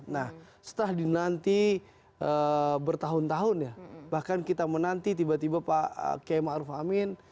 nah setelah dinanti bertahun tahun ya bahkan kita menanti tiba tiba pak km arfamin